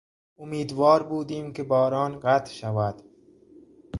امیدوار بودیم که باران قطع شود.